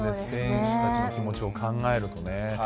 選手たちの気持ちを考えるとね。